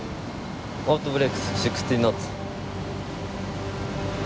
オートブレークス６０ノッツ。